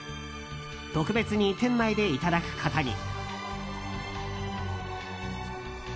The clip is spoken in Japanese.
特別に店内でいただくことに。